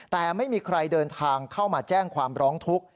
แต่ไม่มีใครเดินทางเข้ามาแจ้งความร้องทุกข์